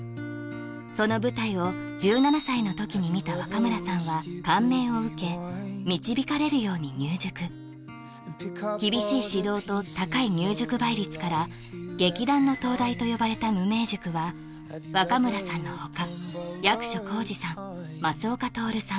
その舞台を１７歳の時に見た若村さんは感銘を受け導かれるように入塾厳しい指導と高い入塾倍率から劇団の東大と呼ばれた無名塾は若村さんの他役所広司さん益岡徹さん